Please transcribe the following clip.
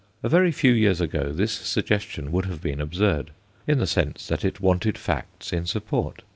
A very few years ago this suggestion would have been absurd, in the sense that it wanted facts in support.